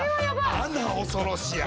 あな恐ろしや。